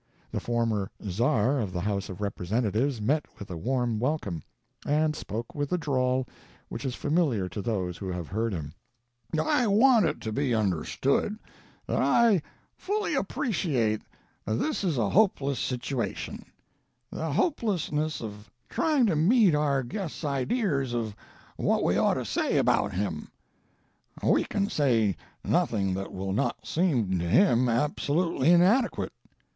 The former "Czar" of the House of Representatives met with a warm welcome, and spoke with the drawl which is familiar to those who have heard him: "I want it to be understood that I fully appreciate that this is a hopeless situation the hopelessness of trying to meet our guest's ideas of what we ought to say about him. We can say nothing that will not seem to him absolutely inadequate.